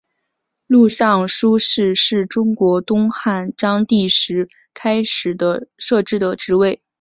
录尚书事是中国东汉章帝时开始设置的职位。